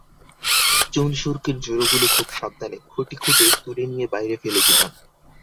চুন-সুরকির ঝুরোগুলো খুব সাবধানে খুঁটি খুঁটে তুলে নিয়ে বাইরে ফেলে দিলাম।